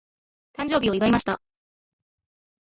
誕生日を祝いました。